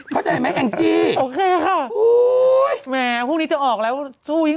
เข้าใจไหมแอ่งจรีย์